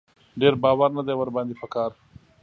ډېر باور نه دی ور باندې په کار.